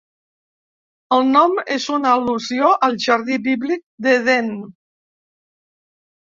El nom és una al·lusió al jardí bíblic d'Edèn.